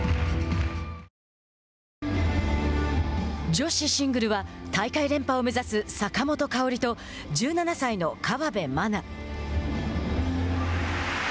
女子シングルは大会連覇を目指す坂本花織と１７歳の河辺愛菜。